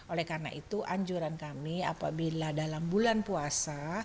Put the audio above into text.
oleh karena itu anjuran kami apabila dalam bulan puasa